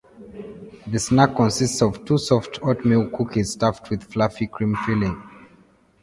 The snack consists of two soft oatmeal cookies stuffed with fluffy creme filling.